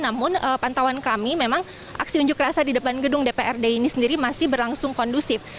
namun pantauan kami memang aksi unjuk rasa di depan gedung dprd ini sendiri masih berlangsung kondusif